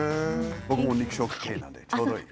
僕も肉食系なんでちょうどいい。